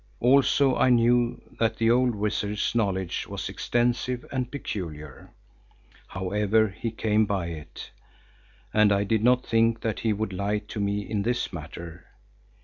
Also I knew that the old wizard's knowledge was extensive and peculiar, however he came by it, and I did not think that he would lie to me in this matter.